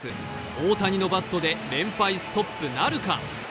大谷のバットで連敗ストップなるか。